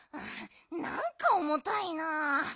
なんかおもたいな。